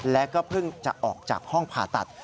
และก็เพิ่งจะออกจากห้องผ่าตัด